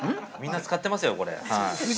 みんな使ってますよ、これ。